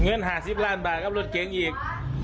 เงินงานอาจมากนอนบาทแล้วละ